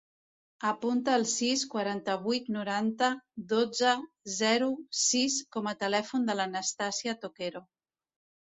Apunta el sis, quaranta-vuit, noranta, dotze, zero, sis com a telèfon de l'Anastàsia Toquero.